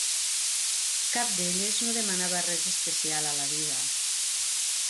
Cap d'elles no demanava res especial a la vida.